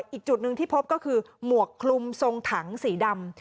อีกจุดหนึ่งที่พบก็คือหมวกคลุมทรงถังสีดำ